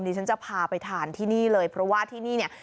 ฉันจะพาไปทานที่นี่เลยเพราะว่าที่นี่เนี่ย